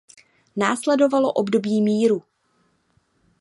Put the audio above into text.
Následovalo období míru.